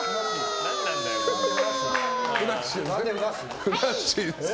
ふなっしーですね。